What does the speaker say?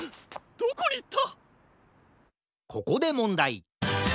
どこにいった！？